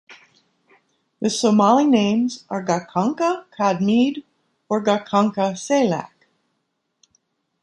The Somali names are Gacanka Cadmeed or Gacanka Saylac.